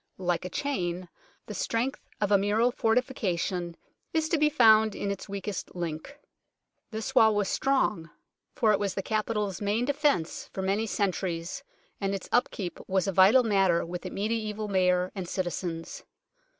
Like a chain, the strength of a mural fortification is to be found in its weakest link. This wall was strong, for it was the capital's REMAINS OF THE CITY WALL 21 main defence for many centuries, and its upkeep was a vital matter with the mediaeval Mayor and citizens.